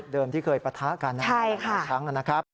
เดิมที่เคยปะทะกันนะครับทั้งนั้นนะครับใช่ค่ะ